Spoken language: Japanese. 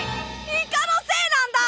イカのせいなんだ！